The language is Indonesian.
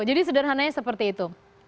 jadi sederhananya seperti itu